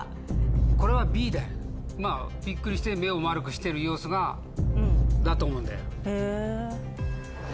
これは。びっくりして目を丸くしている様子がだと思うんだよ。